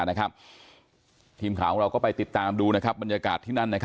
ทีมข่าวของเราก็ไปติดตามดูบรรยากาศที่นั่น